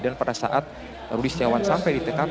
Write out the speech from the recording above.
dan pada saat rudy setiawan sampai di tkp